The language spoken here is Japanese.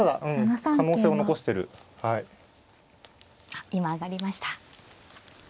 あっ今上がりました。